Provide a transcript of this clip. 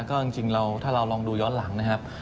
ก็จริงถ้าเราลองดูย้อนหลังนะครับ